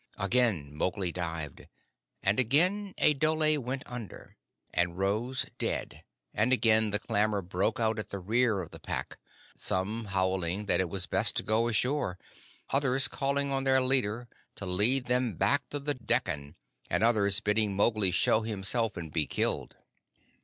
Again Mowgli dived, and again a dhole went under, and rose dead, and again the clamor broke out at the rear of the pack; some howling that it was best to go ashore, others calling on their leader to lead them back to the Dekkan, and others bidding Mowgli show himself and be killed.